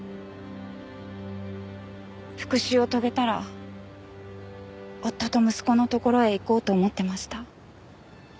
復讐を遂げたら夫と息子のところへ行こうと思ってました。